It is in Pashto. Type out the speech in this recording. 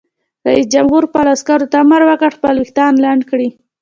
رئیس جمهور خپلو عسکرو ته امر وکړ؛ خپل ویښتان لنډ کړئ!